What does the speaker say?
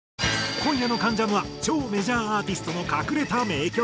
今夜の『関ジャム』は超メジャーアーティストの隠れた名曲。